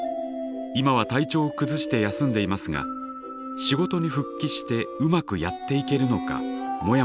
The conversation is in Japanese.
今は体調を崩して休んでいますが仕事に復帰してうまくやっていけるのかモヤモヤしています。